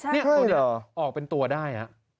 นี่ตัวเดียวออกเป็นตัวได้